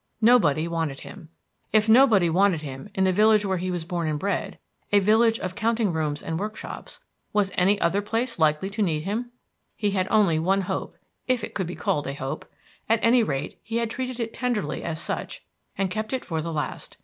Nobody wanted him. If nobody wanted him in the village where he was born and bred, a village of counting rooms and workshops, was any other place likely to need him? He had only one hope, if it could be called a hope; at any rate, he had treated it tenderly as such and kept it for the last.